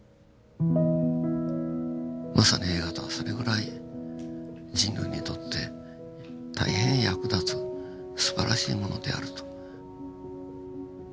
まさに映画とはそれぐらい人類にとって大変役立つすばらしいものであると。